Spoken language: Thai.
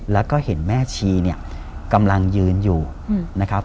แล้วก็เห็นแม่ชีเนี่ยกำลังยืนอยู่นะครับ